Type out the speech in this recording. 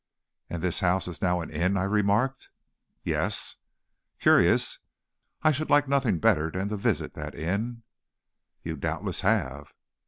"'And this house is now an inn?' I remarked. "'Yes.' "'Curious. I should like nothing better than to visit that inn.' "'You doubtless have.'